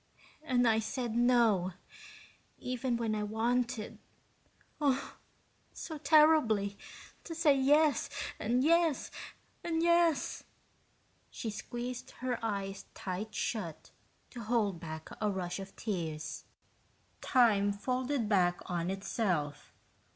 "And I said no, even when I wanted, oh, so terribly, to say yes and yes and yes." She squeezed her eyes tight shut to hold back a rush of tears. Time folded back on itself.